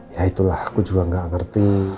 ya itulah aku juga gak ngerti